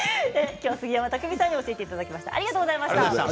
きょうは杉山拓巳さんに教えていただきました。